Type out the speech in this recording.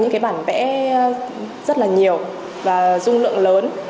những bản vẽ rất nhiều và dung lượng lớn